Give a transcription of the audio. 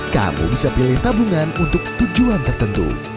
kamu bisa pilih tabungan untuk tujuan tertentu